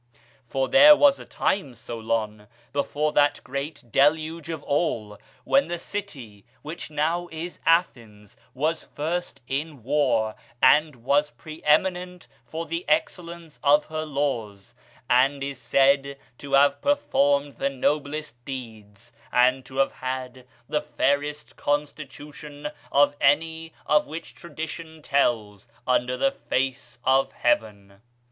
For there was a time, Solon, before that great deluge of all, when the city which now is Athens was first in war, and was preeminent for the excellence of her laws, and is said to have performed the noblest deeds, and to have had the fairest constitution of any of which tradition tells, under the face of heaven.'